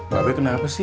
bapak kenapa sih